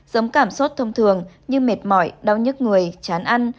giống cảm xúc thông thường như mệt mỏi đau nhức người chán ăn